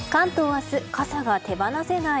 明日、傘が手放せない。